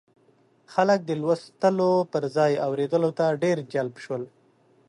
خلک د لوستلو پر ځای اورېدلو ته ډېر جلب شول.